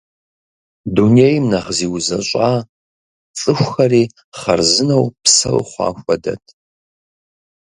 Дунейм нэхъ зиузэщӏа, цӏыхухэри хъарзынэу псэу хъуа хуэдэт.